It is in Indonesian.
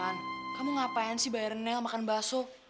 ran kamu ngapain sih bayarin nel makan basuh